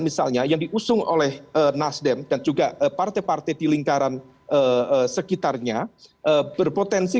misalnya yang diusung oleh nasdem dan juga partai partai di lingkaran sekitarnya berpotensi